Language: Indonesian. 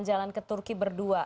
jalan ke turki berdua